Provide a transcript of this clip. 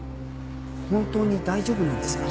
本当に大丈夫なんですか？